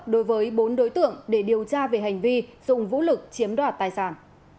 đối với bốn đối tượng để điều tra về hành vi dùng vũ lực chiếm đoạt tài sản